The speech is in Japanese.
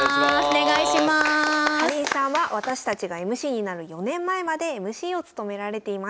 かりんさんは私たちがＭＣになる４年前までＭＣを務められていました。